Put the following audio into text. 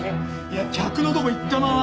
いや客のとこ行ったまま。